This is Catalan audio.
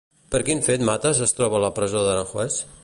Per quin fet Matas es troba en la presó d'Aranjuez?